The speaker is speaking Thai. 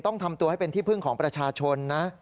ต้องทำตัวให้เป็นที่พึ่งของประชาชนนะ